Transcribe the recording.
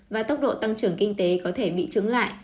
và tốc độ tăng trưởng kinh tế có thể bị trứng lại